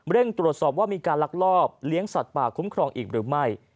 ตรวจสอบว่ามีการลักลอบเลี้ยงสัตว์ป่าคุ้มครองอีกหรือไม่